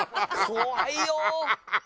怖いよ！